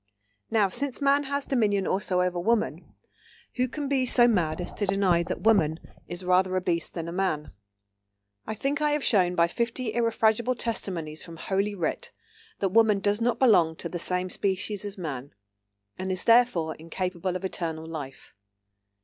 Now, since man has dominion also over woman, who can be so mad as to deny that woman is rather a beast than a Man? … "I think I have shown by fifty irrefragable testimonies from Holy Writ that woman does not belong to the same species as man, and is therefore incapable of eternal life."